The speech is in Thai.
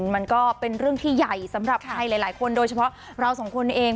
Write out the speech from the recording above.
มันก็เป็นเรื่องที่ใหญ่สำหรับใครหลายคนโดยเฉพาะเราสองคนเอง